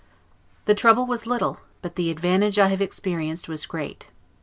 The trouble was little, but the advantage I have experienced was great.